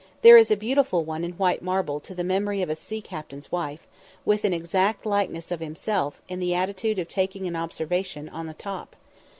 There is a beautiful one in white marble to the memory of a sea captain's wife, with an exact likeness of himself, in the attitude of taking an observation, on the top.